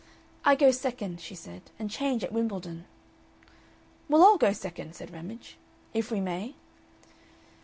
"I go second," she said, "and change at Wimbledon." "We'll all go second," said Ramage, "if we may?"